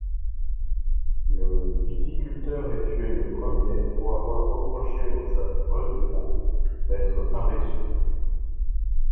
Le viticulteur est tué le premier pour avoir reproché au jeune Redureau d'être paresseux.